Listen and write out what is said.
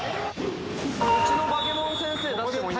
うちのバケモン先生出してもいいんですか？